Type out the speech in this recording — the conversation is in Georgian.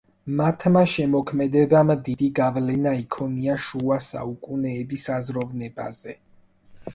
მათმა შემოქმედებამ დიდი გავლენა იქონია შუა საუკუნეების აზროვნებაზე.